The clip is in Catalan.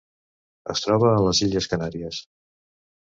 Es troba a les illes Canàries.